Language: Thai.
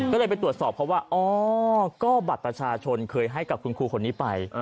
ก็เลยไปตรวจสอบเพราะว่าอ๋อก็บัตรประชาชนเคยให้กับคุณครูคนนี้ไป